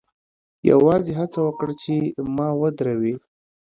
یوازې هڅه وکړه چې ما ودروې